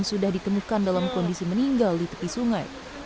sudah ditemukan dalam kondisi meninggal di tepi sungai